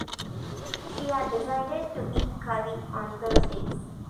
She has decided to eat curry on Thursdays.